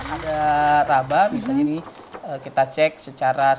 ada raba misalnya ini kita cek secara